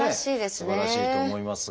すばらしいと思いますが。